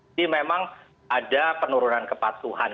jadi memang ada penurunan kepatuhan